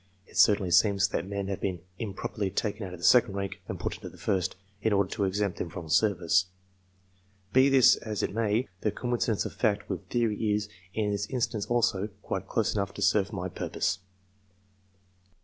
It certainly seems that men have been improperly taken out of the second rank and put into the first, in order to exempt them from service. Be this as it may, the coincidence of fact with theory is, in this instance also, quite close enough serve my purpose.